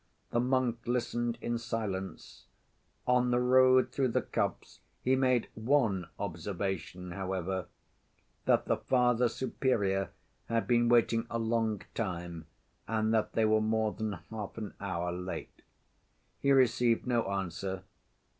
The monk listened in silence. On the road through the copse he made one observation however—that the Father Superior had been waiting a long time, and that they were more than half an hour late. He received no answer.